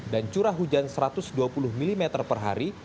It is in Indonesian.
dan curah hujan satu ratus dua puluh mm per hari